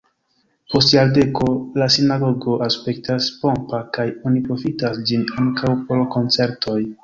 Post jardeko la sinagogo aspektas pompa kaj oni profitas ĝin ankaŭ por koncertoj.